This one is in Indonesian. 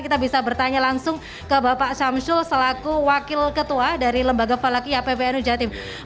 kita bisa bertanya langsung ke bapak samsul selaku wakil ketua dari lembaga falakia pwnu jawa timur